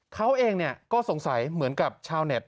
เขาเองก็สงสัยเหมือนกับชาวเน็ต